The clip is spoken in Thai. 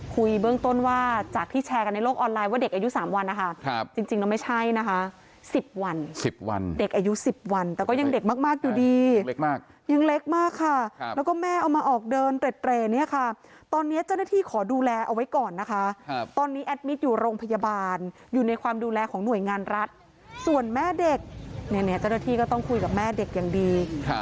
คือเหมือนกับลักษณะหยอกโลกหรือหยอกลูกประมาณนี้